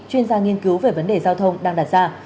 chuyên gia nghiên cứu về vấn đề giao thông đang đặt ra